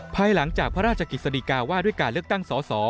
ภายหลังจากพระราชกิจสดีกาว่าด้วยการเลือกตั้งสอสอ